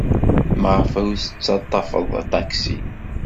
Maɣef ur tettaḍḍafeḍ aṭaksi?